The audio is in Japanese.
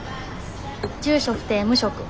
住所不定無職。